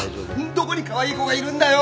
どこにカワイイ子がいるんだよ？